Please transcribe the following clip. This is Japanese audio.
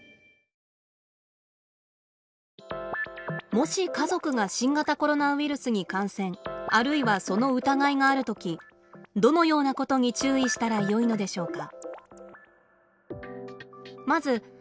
もし家族が新型コロナウイルスに感染あるいはその疑いがある時どのようなことに注意したらよいのでしょうか。